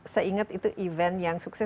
saya ingat itu event yang sukses